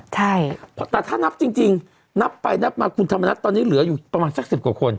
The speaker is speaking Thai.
ใช่แต่ถ้านับจริงนับไปนับมาคุณธรรมนัฐตอนนี้เหลืออยู่ประมาณสักสิบกว่าคน